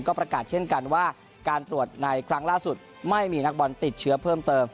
ก็ประกาศเช่นกันว่าการตรวจในครั้งล่าสุดไม่มีนักบอลติดเชื้อเพิ่มเติม